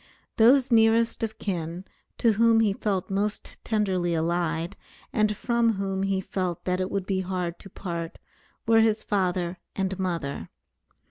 Those nearest of kin, to whom he felt most tenderly allied, and from whom he felt that it would be hard to part, were his father and mother.